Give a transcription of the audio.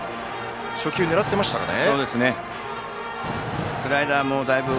初球狙っていましたかね。